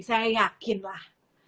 saya yakin lah